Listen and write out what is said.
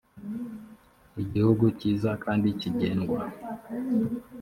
igihugu cyiza kandi kigendwa